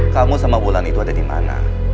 kamu sama wulan itu ada dimana